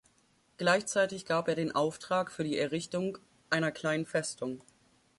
Gleichzeitig gab er den Auftrag für die Errichtung einer kleinen Festung.